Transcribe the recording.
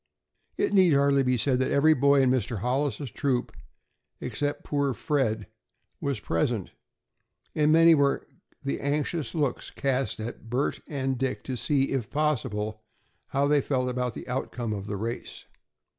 It need hardly be said that every boy in Mr. Hollis's troop, except poor Fred, was present, and many were the anxious looks cast at Bert and Dick to see, if possible, how they felt about the outcome of the race.